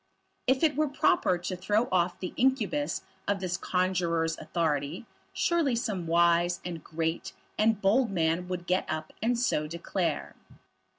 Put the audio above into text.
If it were proper to throw off the incubus of this conjuror's authority, surely some wise, and great, and bold man would get up and so declare.